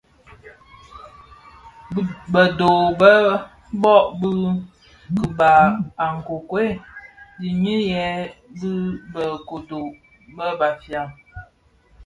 Bë dho be bō bhög bi kpagi a nkokuel ndiňiyèn bi bë kodo bë Bafia.